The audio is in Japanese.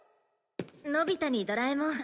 のび太にドラえもん。